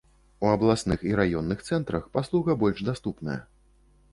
У абласных і раённых цэнтрах паслуга больш даступная.